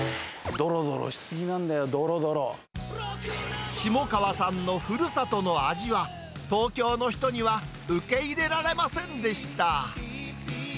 どろどろし過ぎなんだよ、下川さんのふるさとの味は、東京の人には受け入れられませんでした。